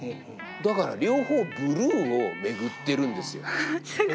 だから両方ブルーを巡ってるんですよ。